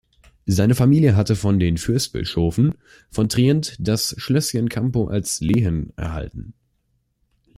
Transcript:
Seine Familie hatte von den Fürstbischöfen von Trient das Schlösschen Campo als Lehen erhalten.